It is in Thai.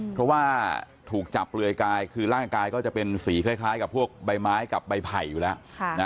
เพราะว่าถูกจับเปลือยกายคือร่างกายก็จะเป็นสีคล้ายกับพวกใบไม้กับใบไผ่อยู่แล้ว